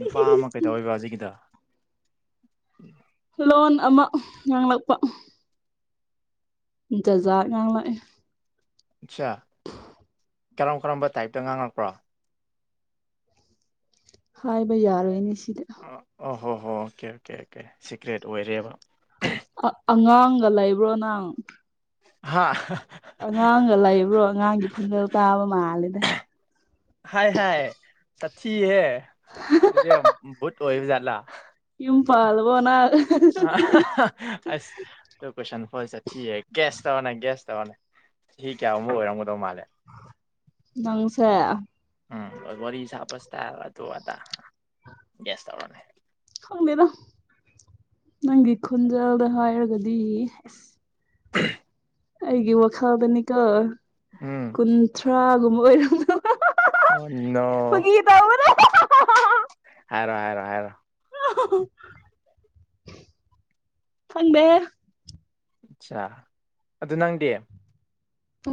ꯅꯨꯄꯥ ꯑꯃ ꯀꯩꯗꯧꯋꯦꯕ ꯍꯧꯖꯤꯛꯀꯤꯗꯣ ꯂꯣꯟ ꯑꯃ ꯉꯥꯡꯂꯛꯄ ꯖꯥꯠ ꯖꯥꯠ ꯉꯥꯡꯂꯛꯑꯦ ꯆꯥ ꯀꯔꯝ ꯀꯔꯝꯕ ꯇꯥꯏꯞꯇ ꯉꯥꯡꯉꯛꯄ꯭ꯔꯣ ꯍꯥꯏꯕ ꯌꯥꯔꯣꯏꯅꯦ ꯁꯤꯗ ꯑꯣ ꯍꯣ ꯍꯣ ꯑꯣꯀꯦ ꯑꯣꯀꯦ ꯑꯣꯀꯦ ꯁꯤꯀ꯭ꯔꯦꯠ ꯑꯣꯏꯔꯦꯕ ꯑꯥ ꯑꯉꯥꯡꯒ ꯂꯩꯕ꯭ꯔꯣ ꯅꯪ ꯍꯥꯥ ꯑꯉꯥꯡꯒ ꯂꯩꯕ꯭ꯔꯣ ꯑꯉꯥꯡꯒꯤ ꯈꯣꯟꯖꯦꯜ ꯇꯥꯕ ꯃꯥꯜꯂꯦꯗ ꯍꯥꯏ ꯍꯥꯏ ꯁꯥꯊꯤꯍꯦ ꯑꯗꯨꯗꯤ ꯚꯨꯠ ꯑꯣꯏꯕ ꯖꯥꯠꯂꯥ ꯌꯨꯝ ꯄꯥꯜꯂꯕꯣ ꯅꯪ [unintelligible] ꯑꯁ ꯇꯨ ꯀꯣꯏꯁꯟ [unintelligible] ꯒꯦꯁ ꯇꯧꯋꯣꯅꯦ ꯒꯦꯁ ꯇꯧꯋꯣꯅꯦ ꯆꯍꯤ ꯀꯌꯥꯃꯨꯛ ꯑꯣꯏꯔꯝꯒꯗꯧ ꯃꯥꯜꯂꯤ ꯅꯪꯁꯦ ꯎꯝ ꯋꯥꯔꯤ ꯁꯥꯕ ꯏꯁꯇꯥꯏꯜ ꯑꯗꯨ ꯑꯗꯥ ꯒꯦꯁ ꯇꯧꯔꯣꯅꯦ ꯈꯪꯗꯦꯗ ꯅꯪꯒꯤ ꯈꯨꯟꯖꯦꯜꯗ ꯍꯥꯏꯔꯒꯗꯤ ꯑꯁ [unintelligible] ꯑꯩꯒꯤ ꯋꯥꯈꯜꯗꯅꯤꯀꯣ ꯎꯝ ꯀꯨꯟꯊ꯭ꯔꯥꯒꯨꯝꯕ ꯑꯣꯏꯔꯝꯗꯧ ꯑꯣ ꯅꯣ [unintelligible] ꯐꯥꯒꯤ ꯇꯧꯕꯅꯦ [unintelligible] ꯍꯥꯏꯔꯣ ꯍꯥꯏꯔꯣ ꯍꯥꯏꯔꯣ ꯈꯪꯗꯦ ꯆꯥ ꯑꯗꯨ ꯅꯪꯗꯤ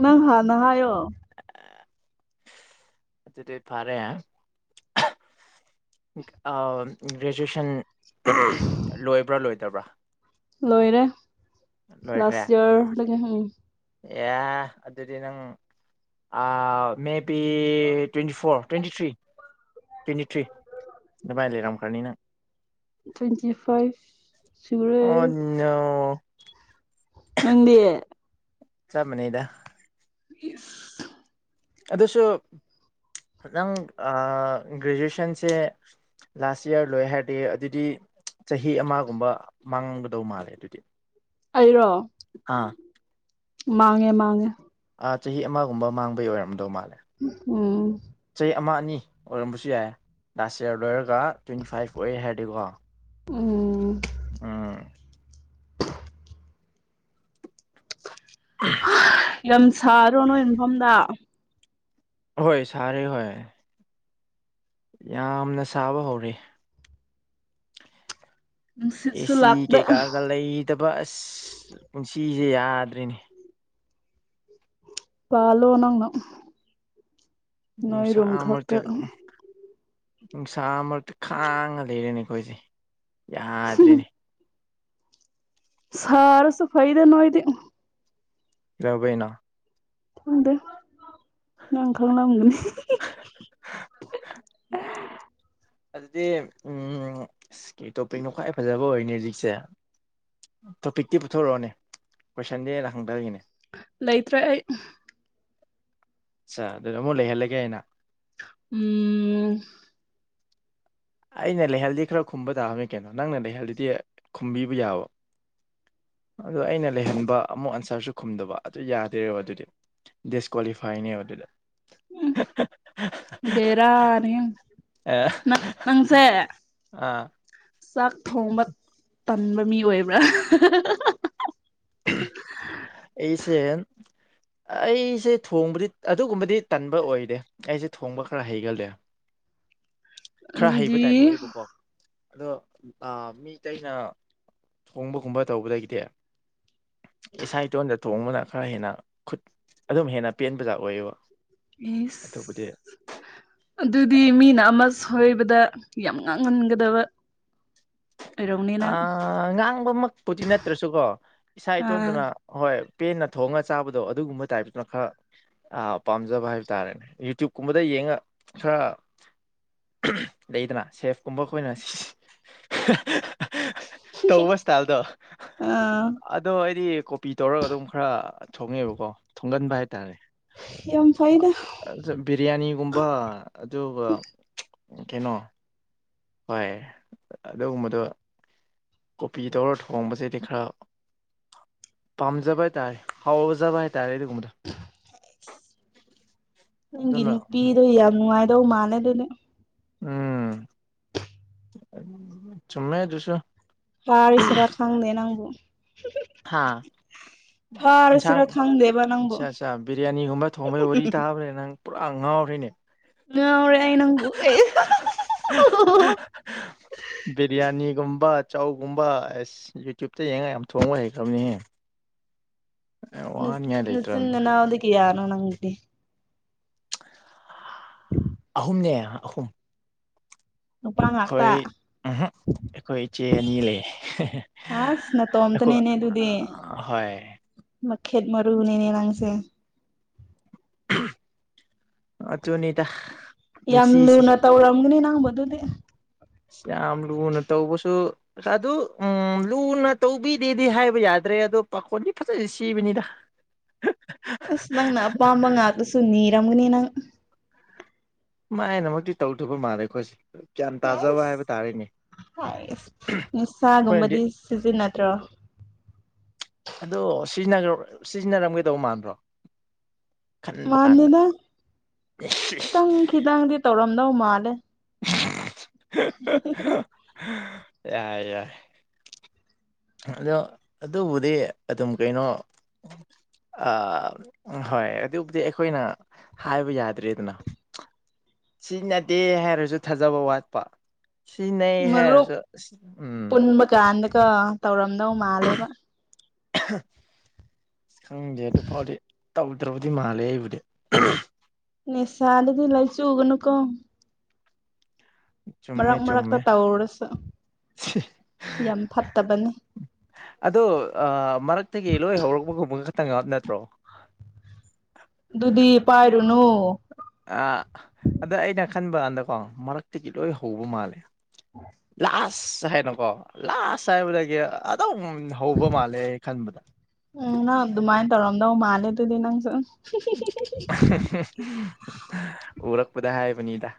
ꯅꯪ ꯍꯥꯟꯅ ꯍꯥꯏꯌꯣ ꯑꯗꯨꯗꯤ ꯐꯔꯦ ꯑꯥꯎꯟ ꯒ꯭ꯔꯦꯖꯨꯁꯟ ꯂꯣꯏꯕ꯭ꯔꯥ ꯂꯣꯏꯗꯕ꯭ꯔꯥ ꯂꯣꯏꯔꯦ ꯂꯣꯏꯈ꯭ꯔꯦ ꯂꯥꯁ ꯏꯌꯔ [unintelligible] ꯑꯦ ꯑꯗꯨꯗꯤ ꯅꯪ ꯑꯥ maybe twenty four twenty three twenty three ꯑꯗꯨꯃꯥꯏ ꯂꯩꯔꯝꯒꯅꯤ ꯅꯪ ꯇ꯭ꯋꯦꯟꯇꯤ ꯐꯥꯏꯚ ꯑꯣ ꯁꯨꯔꯦ ꯅꯣ ꯅꯪꯗꯤ ꯆꯞ ꯃꯥꯟꯅꯩꯗ [unintelligible] ꯑꯗꯨꯁꯨ ꯅꯪ ꯑꯥ ꯒ꯭ꯔꯦꯖꯨꯁꯟꯁꯦ ꯂꯥꯁ ꯏꯌꯔ ꯂꯣꯏ ꯍꯥꯏꯔꯗꯤ ꯑꯗꯨꯗꯤ ꯆꯍꯤ ꯑꯃꯒꯨꯝꯕ ꯃꯥꯡꯒꯗꯧ ꯃꯥꯜꯂꯦ ꯑꯗꯨꯗꯤ ꯑꯩꯔꯣ ꯑꯥ ꯃꯥꯥꯡꯉꯦ ꯃꯥꯥꯡꯉꯦ ꯑꯥ ꯆꯍꯤ ꯑꯃꯒꯨꯝꯕ ꯃꯥꯡꯕꯩ ꯑꯣꯏꯔꯝꯗꯧ ꯃꯥꯜꯂꯦ ꯎꯝ ꯆꯍꯤ ꯑꯃ ꯑꯅꯤ ꯑꯣꯏꯔꯝꯕꯁꯨ ꯌꯥꯏ ꯂꯥꯁ ꯌꯔ ꯂꯣꯏꯔꯒ ꯇ꯭ꯋꯦꯟꯇꯤ ꯐꯥꯏꯚ ꯑꯣꯏꯌꯦ ꯍꯥꯏꯔꯗꯤꯀꯣ ꯎꯝ ꯎꯝ ꯍꯥ ꯌꯥꯝ ꯁꯥꯗꯔꯣ ꯅꯣꯏ ꯃꯐꯝꯗ ꯍꯣꯏ ꯁꯥꯔꯦ ꯍꯣꯏ ꯌꯥꯝꯅ ꯁꯥꯕ ꯍꯧꯔꯦ ꯅꯨꯡꯁꯤꯠꯁꯨ ꯑꯦꯁꯤ ꯂꯥꯛꯇꯦ ꯀꯩꯀꯥꯒ ꯂꯩꯇꯕ ꯑꯁ ꯄꯨꯟꯁꯤꯁꯦ ꯌꯥꯗ꯭ꯔꯦꯅꯦ ꯄꯥꯜꯂꯣ ꯅꯪꯅ ꯅꯣꯏ ꯅꯨꯡꯁꯥ ꯔꯨꯝ ꯃꯔꯛꯇ ꯈꯛꯇ ꯅꯨꯡꯁꯥ ꯃꯔꯛꯇ ꯈꯥꯡꯉ ꯂꯩꯔꯦꯅꯦ ꯑꯩꯈꯣꯏꯁꯦ ꯌꯥꯗ꯭ꯔꯦꯅꯦ ꯁꯥꯔꯁꯨ ꯐꯩꯗ ꯅꯣꯏꯗꯤ [unintelligible] ꯕꯩꯅꯣ ꯈꯪꯗꯦ ꯅꯪ ꯈꯪꯂꯝꯒꯅꯤ ꯑꯗꯨꯗꯤ ꯎꯝ ꯀꯩ ꯇꯣꯄꯤꯛꯅꯣ ꯈ꯭ꯋꯥꯏ ꯐꯖꯕ ꯑꯣꯏꯔꯅꯤ ꯍꯧꯖꯤꯛꯁꯦ ꯇꯣꯄꯤꯛꯇꯤ ꯄꯨꯊꯣꯔꯛꯑꯣꯅꯦ ꯀꯣꯏꯁꯟꯗꯤ ꯑꯩꯅ ꯍꯪꯗꯒꯤꯅꯦ ꯂꯩꯇ꯭ꯔꯦ ꯑꯩ ꯑꯠꯁꯥ ꯑꯗꯨꯗꯤ ꯑꯃꯨꯛ ꯂꯩꯍꯜꯂꯒꯦ ꯑꯩꯅ ꯎꯝ ꯑꯩꯅ ꯂꯩꯍꯜꯂꯤ ꯈꯔ ꯈꯨꯝꯕ ꯇꯥꯕꯅꯤ ꯀꯩꯅꯣ ꯅꯪꯅ ꯂꯩꯍꯜꯂꯤꯗꯤ ꯈꯨꯝꯕꯤꯕ ꯌꯥꯕ ꯑꯗꯨ ꯑꯩꯅ ꯂꯩꯍꯟꯕ ꯑꯃꯨꯛ ꯑꯟꯁꯔꯁꯨ ꯈꯨꯝꯗꯕ ꯑꯗꯨ ꯌꯥꯗꯦꯕ ꯑꯗꯨꯗꯤ ꯗꯤꯁꯀꯣꯂꯤꯐꯥꯏꯅꯦꯕ ꯑꯗꯨꯗ ꯎꯝ ꯕꯦꯔꯥꯅꯤ ꯅ ꯅꯪꯁꯦ ꯑꯥ ꯆꯥꯛ ꯊꯣꯡꯕ ꯇꯟꯕ ꯃꯤ ꯑꯣꯏꯕ꯭ꯔꯥ [inaudible] ꯑꯩꯁꯦ ꯑꯩꯁꯦ ꯊꯣꯡꯕꯗꯤ ꯑꯗꯨꯒꯨꯝꯕꯗꯤ ꯇꯟꯕ ꯑꯣꯏꯗꯦ ꯑꯩꯁꯦ ꯊꯣꯡꯕ ꯈꯔ ꯍꯩꯒꯜꯂꯦ ꯈꯔ ꯍꯩꯕ ꯑꯗꯨꯗꯤ ꯇꯥꯏꯞ ꯑꯣꯏꯌꯦꯕꯀꯣ ꯑꯗꯣ ꯃꯤ ꯇꯩꯅ ꯊꯣꯡꯕꯒꯨꯝꯕ ꯇꯧꯕꯗꯒꯤꯗꯤ ꯏꯁꯥ ꯏꯇꯣꯟꯗ ꯊꯣꯡꯕꯅ ꯈꯔ ꯍꯦꯟꯅ ꯈꯨꯠ ꯑꯗꯨꯝ ꯍꯦꯟꯅ ꯄꯦꯟꯕꯖꯥꯠ ꯑꯣꯏꯑꯦꯕ ꯏꯁ ꯑꯗꯨꯗꯤ ꯃꯤꯅ ꯑꯃ ꯁꯣꯏꯕꯗ ꯌꯥꯝ ꯉꯥꯡꯒꯟꯒꯗꯕ ꯑꯣꯏꯔꯝꯅꯤ ꯑ ꯅꯪ ꯉꯥꯡꯕꯃꯛꯄꯨꯗꯤ ꯅꯠꯇ꯭ꯔꯁꯨꯀꯣ ꯏꯁꯥ ꯑꯥ ꯏꯇꯣꯟꯇꯅ ꯍꯣꯏ ꯄꯦꯟꯅ ꯊꯣꯡꯉꯒ ꯆꯥꯕꯗꯣ ꯑꯗꯨꯒꯨꯝꯕ ꯇꯥꯏꯞꯇꯅ ꯈꯔ ꯑ ꯄꯥꯝꯖꯕ ꯍꯥꯏꯕ ꯇꯥꯔꯦꯅꯦ ꯌꯨꯇꯌ꯭ꯨꯕ ꯀꯨꯝꯕꯗ ꯌꯦꯡꯉ ꯈꯔ ꯂꯩꯗꯅ ꯁꯦꯐ ꯀꯨꯝꯕ ꯑꯩꯈꯣꯏꯅ ꯇꯧꯕ ꯏꯁꯇꯥꯏꯜꯗꯣ ꯑꯥ ꯑꯗꯣ ꯑꯩꯗꯤ ꯀꯣꯄꯤ ꯇꯧꯔꯒ ꯑꯗꯨꯝ ꯈꯔ ꯊꯣꯡꯉꯦꯕꯀꯣ ꯊꯣꯡꯒꯟꯕ ꯍꯥꯏꯇꯥꯔꯦ ꯌꯥꯝ ꯐꯩꯗꯥꯥ ꯕꯤꯔꯌꯥꯅꯤꯒꯨꯝꯕ ꯑꯗꯨꯒ ꯀꯩꯅꯣ ꯍꯣꯏ ꯑꯗꯨꯒꯨꯝꯕꯗꯣ ꯀꯣꯄꯤ ꯇꯧꯔ ꯊꯣꯡꯕꯁꯤꯗꯤ ꯈꯔ ꯄꯥꯝꯖꯕ ꯍꯥꯏꯇꯥꯔꯦ ꯍꯥꯎꯖꯕ ꯍꯥꯏꯇꯥꯔꯦ ꯑꯗꯨꯒꯨꯝꯕꯗ ꯅꯪꯒꯤ ꯑꯗꯨꯅ ꯅꯨꯄꯤꯗꯣ ꯌꯥꯝ ꯅꯨꯡꯉꯥꯏꯗꯧ ꯃꯥꯥꯟꯂꯦ ꯑꯗꯨꯗꯤ ꯎꯝ ꯆꯨꯝꯃꯦ ꯑꯗꯨꯁꯨ ꯄꯔꯤꯁꯤꯔꯥ ꯈꯪꯗꯦ ꯅꯪꯕꯨ ꯍꯥꯥ ꯏꯟꯁꯥꯡ ꯐꯥꯔꯁꯤꯔꯥ ꯈꯪꯗꯦꯕ ꯅꯪꯕꯨ ꯑꯠꯆꯥ ꯆꯥ ꯕꯤꯔꯌꯥꯅꯤꯒꯨꯝꯕ ꯊꯣꯕꯩ ꯋꯥꯔꯤ ꯇꯥꯕꯩꯔ ꯅꯪ ꯄꯨꯔꯥ ꯉꯥꯎꯔꯦꯅꯦ ꯉꯥꯎꯔꯦ ꯑꯩ ꯅꯪꯕꯨ [unintelligible] ꯕꯤꯔꯌꯥꯅꯤꯒꯨꯝꯕ ꯆꯧꯒꯨꯝꯕ ꯑꯁ ꯌꯨꯇ꯭ꯌꯨꯕꯇ ꯌꯦꯡꯉꯒ ꯌꯥꯝ ꯊꯣꯡꯕ ꯍꯩꯈ꯭ꯔꯕꯅꯤꯍꯦ ꯅꯥ ꯋꯥꯍꯟꯉꯥꯏ ꯂꯩꯇ꯭ꯔꯕꯅꯦ ꯅꯆꯤꯟꯅꯥꯅꯎꯗꯤ ꯀꯌꯥꯅꯣ ꯅꯪꯗꯤ ꯑꯍꯨꯝꯅꯦ ꯑꯍꯨꯝ ꯅꯨꯄꯥ ꯉꯥꯛꯇ ꯈꯣꯏ ꯎꯝꯍꯝ ꯈꯣꯏ ꯏꯆꯦ ꯑꯅꯤ ꯂꯩꯌꯦ ꯑꯁ ꯑꯈꯣ ꯅꯇꯣꯝꯇꯅꯤꯅꯦ ꯍꯣꯏ ꯃꯥꯈꯦꯠ ꯃꯔꯨꯅꯤꯅꯦ ꯅꯪꯁꯦ ꯑꯗꯨꯅꯤꯗ ꯌꯥꯝ ꯄꯨꯟꯁꯤꯁꯤ ꯂꯨꯅ ꯇꯧꯔꯝꯒꯅꯤ ꯅꯪꯕꯨ ꯗꯨꯗꯤ ꯌꯥꯝ ꯂꯨꯅ ꯇꯧꯕꯁꯨ ꯑꯗꯨ ꯎꯝ ꯂꯨꯅ ꯇꯧꯕꯤꯗꯦꯗꯤ ꯍꯥꯏꯕ ꯌꯥꯗ꯭ꯔꯦ ꯑꯗꯣ ꯄꯥꯈꯣꯟꯗꯤ ꯐꯖꯟꯅꯗꯤ ꯁꯤꯕꯅꯤꯗ ꯑꯁ ꯅꯪꯅ ꯑꯄꯥꯝꯕ ꯉꯥꯛꯇꯁꯨꯅꯤꯔꯝꯒꯅꯤ ꯅꯪ ꯃꯥꯏꯅꯃꯛꯇꯤ ꯇꯧꯗꯕ ꯃꯥꯜꯂꯦ ꯈꯣꯏꯁꯤ ꯍꯥꯏꯁ ꯑꯩꯈꯣꯏꯅꯗꯤ ꯅꯤꯁꯥꯒꯨꯝꯕꯗꯤ ꯁꯤꯖꯤꯟꯅꯗ꯭ꯔꯣ ꯑꯗꯣ ꯁꯤꯒ꯭ꯔꯕ ꯁꯤꯖꯤꯟꯅꯔꯝꯒꯗꯧꯕ ꯃꯥꯟꯕ꯭ꯔꯣ ꯈꯟꯕ ꯀꯥꯟꯗ ꯃꯥꯟꯗꯦꯗ ꯈꯤꯇꯪ ꯈꯤꯇꯪꯗꯤ ꯇꯧꯔꯝꯗꯧ ꯃꯥꯜꯂꯦ ꯍꯤ ꯍꯤ ꯍꯤ ꯌꯥꯏ ꯌꯥꯏ ꯑꯗꯣ ꯑꯗꯨꯕꯨꯗꯤ ꯑꯗꯨꯝ ꯀꯩꯅꯣ ꯑꯥ ꯍꯣꯏ ꯑꯗꯨꯕꯨꯗꯤ ꯑꯩꯈꯣꯏꯅ ꯍꯥꯏꯕ ꯌꯥꯗ꯭ꯔꯦꯗꯅ ꯁꯤ ꯅꯠꯗꯦ ꯍꯥꯏꯔꯁꯨ ꯊꯥꯖꯕ ꯋꯥꯠꯄ ꯁꯤꯅꯦ ꯍꯥꯏꯔꯁꯨ ꯎꯝ ꯀꯥꯟꯗ ꯀꯣ ꯇꯧꯔꯝꯗꯧ ꯃꯥꯜꯂꯦꯕ [unintelligible] ꯈꯪꯗꯦ ꯑꯗꯨ ꯐꯥꯎꯗꯤ ꯇꯧꯗ꯭ꯔꯕꯗꯤ ꯃꯥꯜꯂꯦ ꯑꯩꯕꯨꯗꯤ ꯅꯤꯁꯥꯗꯗꯤ ꯂꯥꯏꯆꯨꯒꯅꯨꯀꯣ ꯆꯨꯝꯃꯦ ꯃꯔꯛ ꯃꯔꯛꯇ ꯆꯨꯝꯃꯦ ꯇꯧꯔꯁꯨ ꯌꯥꯝ ꯐꯠꯇꯕꯅꯤ ꯑꯗꯣ ꯑꯥ ꯃꯔꯛꯇꯒꯤ ꯂꯣꯏ ꯍꯧꯔꯛꯄꯒꯨꯝꯕ ꯈꯇꯪ ꯅꯠꯇ꯭ꯔꯣ ꯑꯗꯨꯗꯤ ꯄꯥꯏꯔꯨꯅꯨ ꯑꯥ ꯑꯗ ꯑꯩꯅ ꯈꯟꯕ ꯀꯥꯟꯗꯀꯣ ꯃꯔꯛꯇꯒꯤ ꯂꯣꯏ ꯍꯧꯕ ꯃꯥꯜꯂꯦ ꯂꯥꯁ ꯍꯥꯏꯅꯀꯣ ꯂꯥꯁ ꯍꯥꯏꯕꯗꯒꯤ ꯑꯗꯨꯝ ꯍꯧꯕ ꯃꯥꯜꯂꯦ ꯈꯟꯕꯗ ꯎꯝ ꯅꯪ ꯑꯗꯨꯃꯥꯏ ꯇꯧꯔꯝꯗꯧ ꯃꯥꯜꯂꯦ ꯑꯗꯨꯗꯤ ꯅꯪꯁꯨ ꯎꯔꯛꯄꯗ ꯍꯥꯏꯕꯅꯤꯗ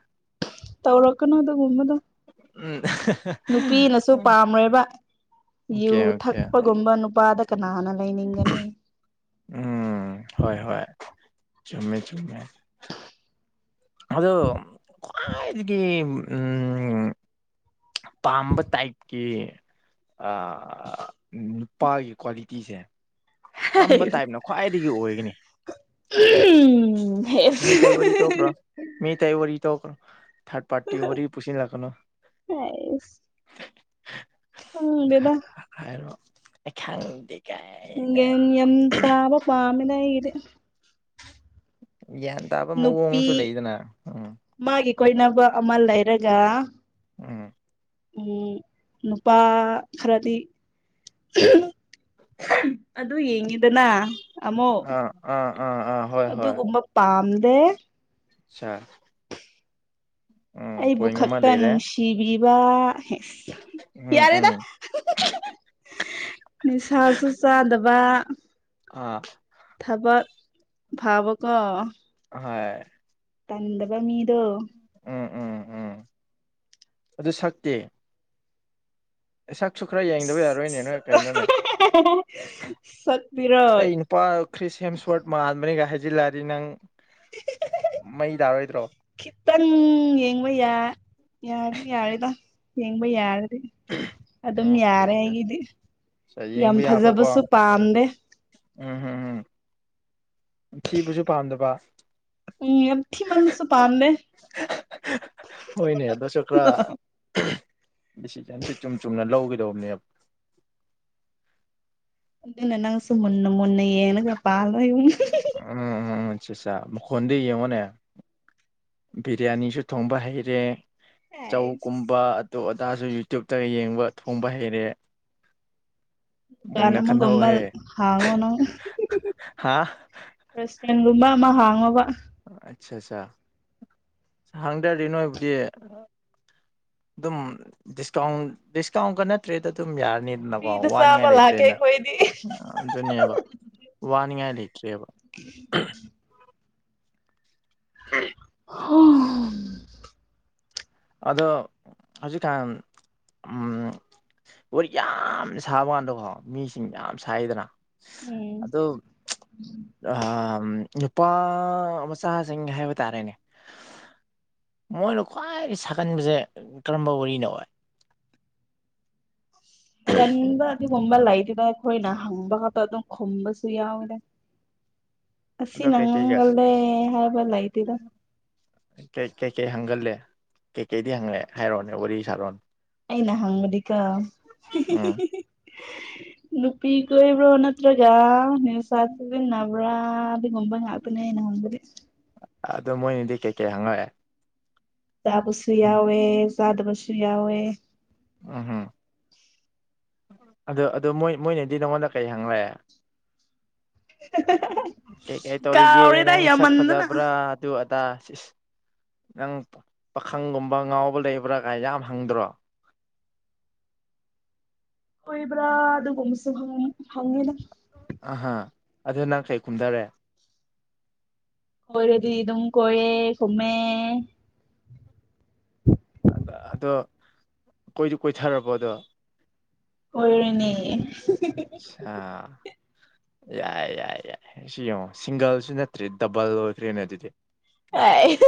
ꯇꯧꯔꯛ ꯀꯅꯣ ꯑꯗꯨꯒꯨꯝꯕꯗꯨ ꯎꯝ ꯅꯨꯄꯤꯅꯁꯨ ꯄꯥꯝꯔꯣꯏꯕ ꯌꯨ ꯑꯣꯀꯦ ꯑꯣꯀꯦ ꯊꯛꯄꯥ ꯒꯨꯝꯕ ꯅꯨꯄꯥꯗ ꯀꯅꯥꯅ ꯂꯩꯅꯤꯡꯒꯅꯤ ꯎꯝ ꯍꯣꯏ ꯍꯣꯏ ꯆꯨꯝꯃꯦ ꯆꯨꯝꯃꯦ ꯑꯗꯣ ꯈ꯭ꯋꯥꯏꯗꯒꯤ ꯎꯝ ꯄꯥꯝꯕ ꯇꯥꯏꯞꯀꯤ ꯑꯥ ꯅꯨꯄꯥꯒꯤ ꯀ꯭ꯋꯥꯂꯤꯇꯤꯁꯦ ꯀꯔꯝꯕ ꯇꯥꯏꯞꯅ ꯈ꯭ꯋꯥꯏꯗꯒꯤ ꯑꯣꯏꯒꯅꯤ ꯎꯝ ꯃꯤ ꯑꯇꯩ ꯋꯥꯔꯤ ꯇꯣꯛꯈ꯭ꯔꯣ ꯍꯦ ꯃꯤ ꯇꯩ ꯋꯥꯔꯤ ꯇꯣꯛꯈꯔꯣ ꯊꯥꯔꯗ ꯄꯥꯔꯇꯤ ꯋꯥꯔꯤ ꯄꯨꯁꯤꯜꯂꯛꯀꯅ‌ꯣ ꯈꯪꯗꯦꯗ ꯍꯥꯏꯔꯣ ꯑꯩ ꯈꯪꯗꯤ ꯒ꯭ꯌꯥꯟ ꯌꯥꯝ ꯇꯕ ꯄꯥꯝꯃꯤꯗ ꯑꯩꯒꯤꯗꯤ ꯒ꯭ꯌꯥꯟ ꯇꯥꯕ ꯅꯨꯄꯤ ꯃꯑꯣꯡꯁꯨ ꯂꯩꯗꯅ ꯎꯝ ꯃꯥꯒꯤ ꯀꯣꯏꯅꯕ ꯑꯃ ꯂꯩꯔꯒ ꯎꯝ ꯎꯝ ꯅꯨꯄꯥ ꯈꯔꯗꯤ ꯑꯗꯨ ꯌꯦꯡꯉꯤꯗꯅ ꯑꯃꯨꯛ ꯑꯥ ꯑꯥ ꯑꯥ ꯑꯥ ꯍꯣꯏ ꯍꯣꯏ ꯑꯗꯨꯒꯨꯝꯕ ꯄꯥꯝꯗꯦ [unintelligible] [inaudible] ꯑꯩꯕꯨ ꯄꯣꯏꯟ ꯑꯃ ꯈꯛꯇ ꯂꯩꯔꯦ ꯅꯨꯡꯁꯤꯕꯤꯕ ꯍ‌ꯦ ꯎꯝ ꯎꯝ ꯌꯥꯔꯦꯗ ꯅꯤꯁꯥꯁꯨ ꯆꯥꯗꯕ ꯑ ꯊꯕꯛ ꯐꯕꯀꯣ ꯍꯣꯏ ꯇꯟꯗꯕ ꯃꯤꯗꯣ ꯎꯝ ꯎꯝ ꯎꯝ ꯑꯗꯨ ꯁꯛꯇꯤ ꯁꯛꯁꯨ ꯈꯔ ꯌꯦꯡꯗꯕ ꯌꯥꯔꯣꯏꯅꯦ ꯅꯣꯏ ꯀꯩꯅꯣꯅꯦ ꯁꯛꯇꯤꯔꯣ ꯑꯁ ꯑꯩ ꯅꯨꯄꯥ ꯈ꯭ꯔꯤꯁ ꯍꯦꯝ ꯁꯣꯔꯠ ꯃꯉꯥꯟꯕꯅꯤꯒ ꯍꯥꯏꯖꯤꯜꯂꯛꯑꯗꯤ ꯅꯪ ꯃꯩ ꯇꯥꯔꯣꯏꯗ꯭ꯔꯣ ꯈꯤꯇꯪ ꯌꯦꯡꯕ ꯌꯥ ꯌꯥꯔꯗꯤ ꯌꯥꯔ‌ꯦꯗ ꯌꯦꯡꯕ ꯌꯥꯔꯗꯤ ꯎꯝ ꯑꯗꯨꯝ ꯑꯣꯀꯦ ꯌꯥꯔꯦ ꯑꯩꯒꯤꯗꯤ ꯑꯣꯀꯦ ꯌꯥꯝ ꯌꯦꯡꯕ ꯐꯖꯕꯁꯨ ꯄꯥꯝꯗꯦ ꯎꯝꯍ ꯎꯝ ꯊꯤꯕꯁꯨ ꯄꯥꯝꯗꯕ ꯎꯝ ꯌꯥꯝ ꯊꯤꯃꯜꯂꯁꯨ ꯄꯥꯝꯗꯦ ꯗꯤꯁꯤꯖꯟꯁꯤ ꯆꯨꯝ ꯆꯨꯝꯅ ꯂꯧꯒꯗꯧꯕꯅꯦꯕ ꯑꯗꯨꯅ ꯅꯪꯁꯨꯨ ꯃꯨꯟꯅ ꯃꯨꯟꯅ ꯌꯦꯡꯉꯒ ꯄꯥꯜꯂꯣ ꯌꯨꯝ ꯎꯝ ꯎꯝ ꯑꯆꯥ ꯑꯆꯥꯆꯥ ꯃꯈꯣꯟꯗ‌ꯣ ꯌꯦꯡꯉꯣꯅꯦ ꯕꯤꯔꯌꯥꯅꯤꯁꯨ ꯊꯣꯡꯕ ꯍꯩꯔꯦ ꯆꯧꯒꯨꯝꯕ ꯑ ꯗꯨ ꯑꯗꯥꯖꯨ ꯌꯨꯇ꯭ꯌꯨꯨꯞꯇꯩ ꯌꯦꯡꯕ ꯊꯣꯡꯕ ꯍꯩꯔꯦ ꯀꯥꯟ ꯃꯨꯟꯅ ꯑꯃꯒꯨꯝꯕ ꯈꯟꯍꯧꯍꯦ ꯍꯥꯡꯉꯣꯅꯪ ꯍꯥ ꯔꯦꯁꯇꯨꯔꯦꯟꯒꯨꯝꯕ ꯑꯃ ꯍꯥꯡꯉꯣꯕ ꯑꯠ ꯁꯥ ꯁꯥ ꯍꯪꯗꯔꯗꯤ ꯅꯣꯏꯕꯨꯗꯤ ꯑꯗꯨꯝ ꯗꯤꯁꯀꯥꯎꯟ ꯗꯤꯁꯀꯥꯎꯟꯒ ꯅꯠꯇ꯭ꯔꯦꯗ ꯑꯗꯨꯝ ꯌꯥꯔꯅꯤ꯫ ꯐ꯭ꯔꯤꯗ ꯆꯥꯕ ꯂꯥꯛꯀꯦ ꯑꯩꯈꯣꯏꯗꯤ꯫ ꯑꯗꯨꯅꯦꯕ ꯋꯥꯅꯤꯡꯉꯥꯏ ꯂꯩꯇ꯭ꯔꯦꯕ꯫ [inaudible] [inaudible] [unintelligible] [unintelligible] ꯑꯗꯣ ꯍꯧꯖꯤꯛ ꯀꯥꯟ ꯎꯝ꯫ ꯋꯥꯔꯤ ꯌꯥꯝ ꯁꯥꯕꯥ ꯋꯥꯟꯗꯒ‌ꯣ ꯃꯤꯁꯤꯡ ꯌꯥꯝ ꯁꯥꯏꯗꯅ꯫ ꯑꯗꯣ ꯑꯥ ꯅꯨꯄꯥ ꯃꯆꯥꯁꯤꯡ ꯍꯥꯏꯕ ꯇꯥꯔꯦꯅꯦ ꯃꯣꯏꯅ ꯈ꯭ꯋꯥꯏ ꯁꯥꯒꯟꯕꯁꯦ ꯀꯔꯝꯕ ꯋꯥꯔꯤꯅ ꯑꫭꯏ ꯂꯝꯗ ꯑꯗꯨꯒꯨꯝꯕ ꯂꯩꯗꯦꯗ ꯑꯩꯈꯣꯏꯅ ꯍꯪꯕ ꯈꯛꯇ ꯑꯗꯨꯝ ꯈꯨꯝꯕꯁꯨ ꯌꯥꯎꯔꯦ ꯑꯗꯣ ꯑꯁꯤꯅ ꯀꯩꯀꯩꯒ ꯉꯪꯒꯜꯂꯦ ꯍꯥꯏꯕ ꯂꯩꯇꯦꯗ ꯀꯩꯀꯩ ꯍꯪꯒꯜꯂꯦ ꯀꯩꯀꯩꯗꯤ ꯍꯪꯉꯛꯑꯦ ꯍꯥꯏꯔꯣꯅꯦ ꯋꯥꯔꯤ ꯁꯥꯔꯣꯅꯦ ꯑꯩꯅ ꯍꯪꯕꯗꯤꯀꯣ ꯎꯝ [inaudible] ꯅꯨꯄꯤ ꯀꯣꯏꯕ꯭ꯔꯣ ꯅꯠꯇ꯭ꯔꯒ ꯅꯤꯁꯥ ꯁꯤꯖꯤꯟꯅꯕ꯭ꯔꯥ ꯑꯗꯨꯒꯝꯕ ꯉꯥꯛ ꯄꯅꯦ ꯑꯩꯅ ꯍꯪꯕꯗꯤ ꯑꯗꯣ ꯃꯣꯏꯅꯗꯤ ꯀꯩꯀꯩ ꯍꯪꯉꯛꯑꯦ ꯆꯥꯕꯁꯨ ꯎꯝ ꯌꯥꯎꯋꯦ ꯆꯥꯗꯕꯁꯨ ꯌꯥꯎꯋꯦ ꯎꯝ ꯑꯗꯨ ꯑꯗꯨ ꯃꯣꯏ ꯃꯣꯏꯅꯗꯤ ꯅꯪꯉꯣꯟꯗ ꯀꯩ ꯍꯪꯂꯦ ꯀꯩꯀꯩ ꯇꯧꯔꯤꯒꯦ ꯀꯥꯎꯔꯦꯗ ꯅꯪ ꯁꯛ ꯌꯥꯝꯃꯟꯗꯅ ꯐꯖꯕ꯭ꯔꯥ ꯑꯗꯨ ꯑꯗꯥ ꯅꯪ ꯄꯥꯈꯪꯒꯨꯝꯕ ꯉꯥꯎꯕ ꯂꯩꯕ꯭ꯔꯥ ꯀꯥꯏ ꯌꯥꯝ ꯍꯪꯗ꯭ꯔꯣ ꯀꯣꯏꯕ꯭ꯔꯥ ꯑꯗꯨꯒꯨꯝꯕꯁꯨ ꯍꯪꯉꯤ ꯍꯪꯉꯤꯗ ꯑꯍꯥ ꯑꯗꯨ ꯅꯪ ꯀꯩ ꯈꯨꯝꯗꯥꯔꯦ ꯀꯣꯏꯔꯗꯤ ꯑꯗꯨꯝ ꯀꯣꯏꯌꯦ ꯈꯨꯝꯃꯦ ꯑ ꯑꯗꯣ ꯀꯣꯏꯗꯤ ꯀꯣꯏꯊꯔꯕꯣ ꯑꯗꯣ ꯀꯣꯏꯔꯦꯅꯦ ꯑꯠꯁꯥ ꯌꯥꯏ ꯌꯥꯏ ꯌꯥꯏ ꯁꯤ ꯌꯦꯡꯉꯣ ꯁꯤꯡꯒꯜꯁꯨ ꯅꯠꯇ꯭ꯔꯦ ꯗꯕꯜ ꯑꯣꯏꯈ꯭ꯔꯦꯅꯦ ꯑꯗꯨꯗꯤ ꯍꫭꯏ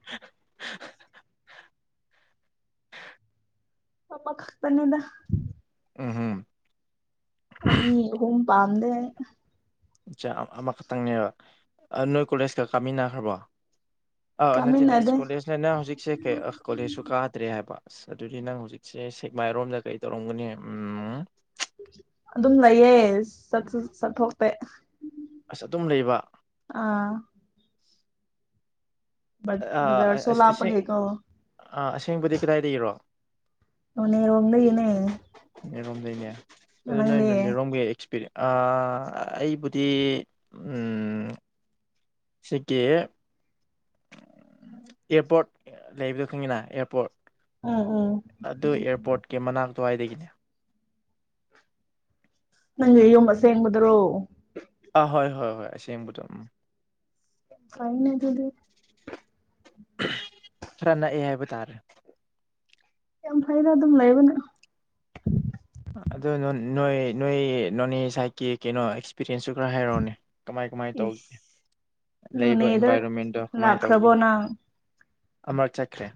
[unintelligible] ꯑꯃꯈꯛꯇꯅꯤꯗ ꯎꯝ ꯑꯅꯤ ꯑꯍꯨꯝ ꯄꯥꯝꯗꯦ ꯑꯠꯆꯥ ꯑꯃꯈꯛꯇꯪꯅꯦꯕ ꯅꯣꯏ ꯀꯣꯂꯦꯖꯀ ꯀꯥꯃꯤꯟꯅꯈ꯭ꯔꯕꯣ ꯑ ꯅꯠꯇꯦꯅꯦ ꯑꯁ ꯀꯥꯃꯤꯟꯅꯗꯦ ꯀꯣꯂꯦꯖꯅꯦꯅꯥ ꯍꯧꯖꯤꯛꯁꯦ ꯀꯩ ꯀꯣꯂꯦꯖꯁꯨ ꯀꯥꯗ꯭ꯔꯦ ꯍꯥꯏꯕ ꯑꯁ ꯑꯗꯨꯗꯤ ꯅꯪ ꯍꯧꯖꯤꯛꯁꯦ ꯁꯦꯛꯃꯥꯏꯔꯣꯝꯗ ꯀꯩ ꯇꯧꯔꯝꯒꯅꯤ ꯎꯝ ꯑꯗꯨꯝ ꯂꯩꯌꯦ ꯆꯠꯁꯨ ꯆꯠꯊꯣꯛꯇꯦ ꯑꯁ ꯑꯗꯨꯝ ꯂꯩꯕ ꯑꯥ ꯕꯖꯥꯔꯁꯨ ꯑꯥ ꯑꯁꯦꯡ ꯂꯥꯞꯄꯒꯤꯀꯣ ꯑꯁꯦꯡꯕꯗꯤ ꯀꯗꯥꯏꯗꯒꯤꯔꯣ ꯅꯣꯅꯦꯔꯣꯝꯗꯉꯤꯅꯦ ꯅꯦꯔꯣꯝꯗꯩꯅꯦ ꯑꯗꯨ ꯅꯣꯏ ꯅꯦꯔꯣꯝꯒꯤ ꯑꯦꯛꯁꯄꯤꯔꯤꯌꯦꯟꯁ ꯑꯥ ꯑꯩꯕꯨꯗꯤ ꯎꯝ ꯁꯤꯒꯤ ꯑꯦꯌꯔꯄꯣꯔꯠ ꯂꯩꯕꯗꯣ ꯈꯪꯉꯤꯅ ꯑꯦꯌꯔꯄꯣꯔꯠ ꯎꯝ ꯎꯝ ꯑꯗꯨ ꯑꯦꯌꯔꯄꯣꯔꯠꯀꯤ ꯃꯅꯥꯛ ꯑꯗꯨꯋꯥꯏꯗꯒꯤꯅꯦ ꯅꯪꯒꯤ ꯌꯨꯝ ꯑꯁꯦꯡꯕꯗꯔꯣ ꯑꯥ ꯍꯣꯏ ꯍꯣꯏ ꯍꯣꯏ ꯑꯁꯦꯡꯕꯗꯣ ꯎꯝ ꯐꯩꯅꯦ ꯑꯗꯨꯗꯤ ꯈꯔ ꯅꯛꯑꯦ ꯍꯥꯏꯕ ꯇꯥꯔꯦ ꯌꯥꯝ ꯐꯩꯗ ꯑꯗꯨꯝ ꯂꯩꯕꯅ ꯑꯗꯣ ꯅꯣ ꯅꯣꯏ ꯅꯣꯏ ꯅꯣꯅꯦ ꯁꯥꯏꯠꯀꯤ ꯀꯩꯅꯣ ꯄꯤꯆꯦꯟꯁꯁꯨ ꯈꯔ ꯍꯥꯏꯔꯛ ꯑꯣꯅꯦ ꯀꯃꯥꯏ ꯀꯃꯥꯏ ꯇꯧꯒꯦ ꯏꯁ ꯂꯩꯕ ꯅꯣꯅꯦꯗ ꯏꯟꯚꯥꯏꯔꯣꯃꯦꯟꯗꯣ ꯀꯃꯥꯏꯅ ꯇꯧꯒꯦ ꯂꯥꯛꯈ꯭ꯔꯕꯣ ꯅꯪ ꯑꯃꯔꯛ ꯆꯠꯈ꯭ꯔꯦ